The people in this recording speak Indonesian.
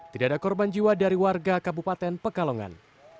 tidak ada korban jiwa dari warga kabupaten pekalongan